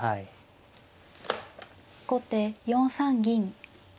後手４三銀。